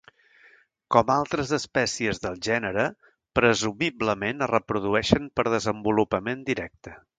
Com altres espècies del gènere, presumiblement es reprodueixen per desenvolupament directe.